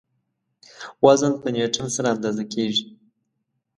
وزن په نیوټن سره اندازه کیږي.